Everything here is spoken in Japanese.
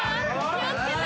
気を付けて！